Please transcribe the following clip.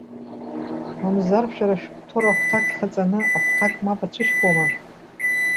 Мамзар шәара Ашәҟәы Ҭора ахәҭак хаҵаны, ахәҭак мап ацәышәкуама?